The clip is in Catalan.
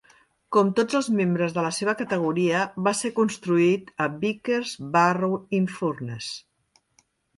Com tots els membres de la seva categoria, va ser construït a Vickers Barrow-in-Furness.